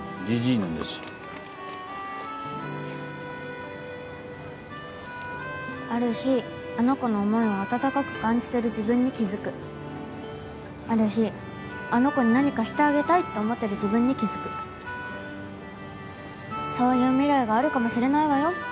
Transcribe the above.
ジジイなんだしある日あの子の思いを温かく感じている自分に気づくある日あの子に何かしてあげたいと思ってる自分に気づくそういう未来があるかもしれないわよ